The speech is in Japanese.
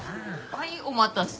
はいお待たせ。